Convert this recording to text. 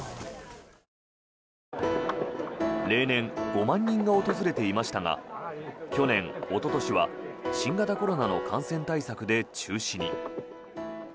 例年５万人が訪れていましたが去年おととしは新型コロナの感染対策で中止に。